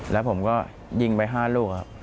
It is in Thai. แล้วผมก็ยิงไป๕ลูกครับ